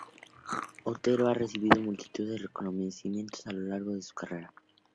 Otero ha recibido multitud de reconocimientos a lo largo de su carrera.